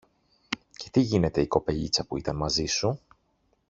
Και τι γίνεται η κοπελίτσα που ήταν μαζί σου;